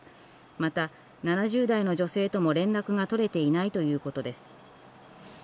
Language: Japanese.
また、７０代の女性とも連絡が取れていないということです。